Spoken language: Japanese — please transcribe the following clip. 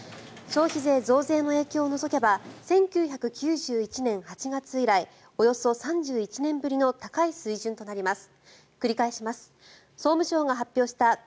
消費税増税の影響を除けば１９９１年８月以来およそ３１年ぶりの高い水準となります。